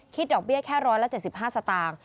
ดอกเบี้ยแค่๑๗๕สตางค์